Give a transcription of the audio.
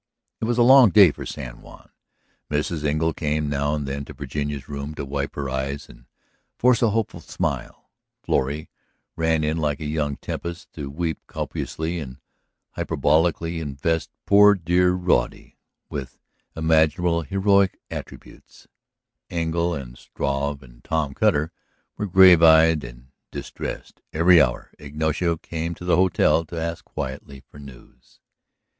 It was a long day for San Juan. Mrs. Engle came now and then to Virginia's room to wipe her eyes and force a hopeful smile; Florrie ran in like a young tempest to weep copiously and hyperbolically invest poor dear Roddy with all imaginable heroic attributes; Engle and Struve and Tom Cutter were grave eyed and distressed. Every hour Ignacio came to the hotel to ask quietly for news.